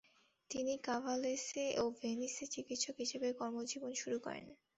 তিনি কাভালেসে ও ভেনিসে চিকিৎসক হিসেবে কর্মজীবন শুরু করেন।